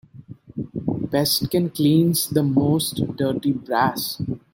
Paste can cleanse the most dirty brass.